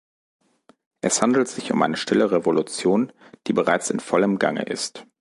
Es handelt sich um eine stille Revolution, die bereits in vollem Gange ist.